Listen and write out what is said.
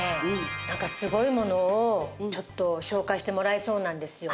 なんかすごいものをちょっと紹介してもらえそうなんですよ。